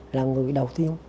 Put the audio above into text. là người đầu tiên